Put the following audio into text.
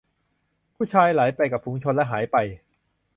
ผู้ชายไหลไปกับฝูงชนและหายไป